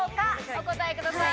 お答えください。